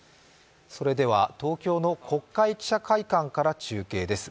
それでは東京の国会記者会館から中継です。